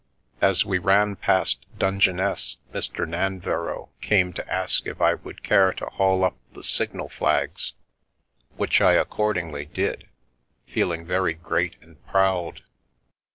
As we ran past Dungeness, Mr. Nanverrow came to ask if I would care to haul up the signal flags, which I accordingly did, feeling very great and proud.